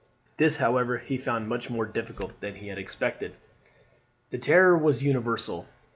This, however, he found much more difficult than he had expected. The terror was universal.